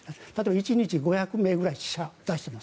１日５００名ぐらい死者を出しています。